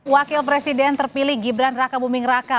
wakil presiden terpilih gibran raka buming raka